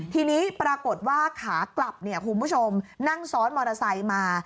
ทีนี้ปรากฏว่าขากลับคุณผู้ชมนั่งซ้อนมอเตอร์ไซค์มา